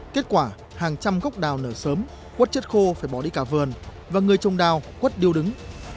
kết quả hàng trăm gốc đào nở sớm quất chất khô phải bỏ đi cả vườn và người trồng đào quất điêu đứng